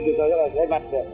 chúng tôi rất là ghét mặt